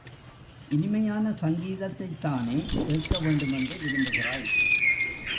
இனிமையான சங்கீதத்தைத்தானே கேட்க வேண்டுமென்று விரும்புகிறாய்?